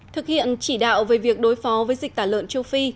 thực hiện chỉ đạo về việc đối phó với dịch tả lợn châu phi